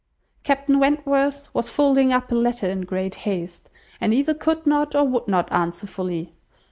Captain Wentworth was folding up a letter in great haste, and either could not or would not answer fully.